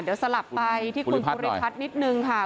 เดี๋ยวสลับไปที่คุณภูริพัฒน์นิดนึงค่ะ